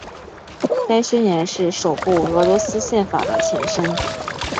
该宣言是首部俄罗斯宪法的前身。